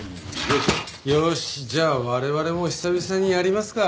よしじゃあ我々も久々にやりますか。